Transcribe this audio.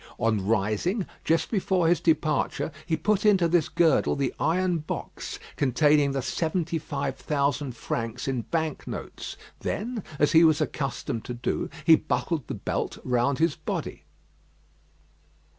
On rising, just before his departure, he put into this girdle the iron box containing the seventy five thousand francs in bank notes; then, as he was accustomed to do, he buckled the belt round his body.